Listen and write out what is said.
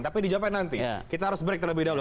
tapi dijawabkan nanti kita harus break terlebih dahulu